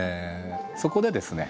そこでですね